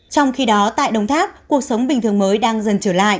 trong khi đó tại đồng tháp cuộc sống bình thường mới đang dần trở lại